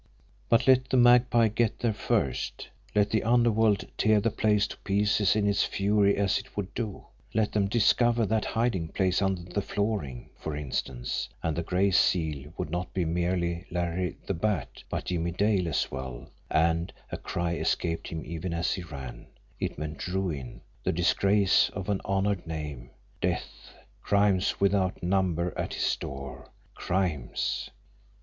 But let the Magpie get there first, let the underworld tear the place to pieces in its fury as it would do, let them discover that hiding place under the flooring, for instance, and the Gray Seal would not be merely Larry the Bat, but Jimmie Dale as well, and a cry escaped him even as he ran it meant ruin, the disgrace of an honoured name, death, crimes without number at his door. Crimes!